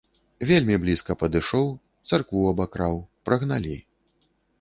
Вельмі блізка падышоў, царкву абакраў, прагналі.